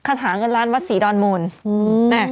คาถาเงินล้านอันวัดฝีดอนงานเงิน